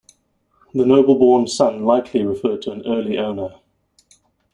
The noble-born son likely referred to an early owner.